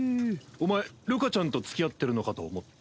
お前るかちゃんとつきあってるのかと思った。